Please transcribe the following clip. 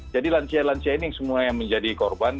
jadi lansia lansia ini semua yang menjadi korban